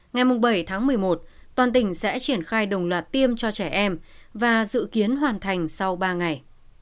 ngày bảy tháng một mươi một toàn tỉnh sẽ triển khai đồng loạt tiêm cho trẻ em và dự kiến hoàn thành sau ba ngày